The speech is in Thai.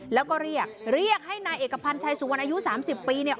แล้วก็เรียกให้นายเอกพันธ์ชายสุวรรณอายุ๓๐ปี